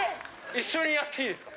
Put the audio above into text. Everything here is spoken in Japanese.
一緒にやっていいですか？